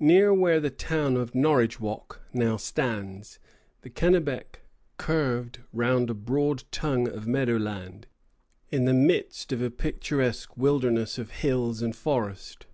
Near where the town of Norridgewock now stands, the Kennebec curved round a broad tongue of meadow land, in the midst of a picturesque wilderness of hills and forests.